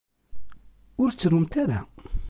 Ur ttrumt ara!